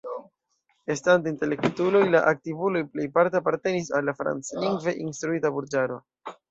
Estante intelektuloj, la aktivuloj plejparte apartenis al la franclingve instruita burĝaro.